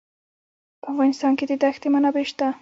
په افغانستان کې د دښتې منابع شته.